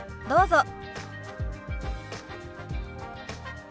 どうぞ。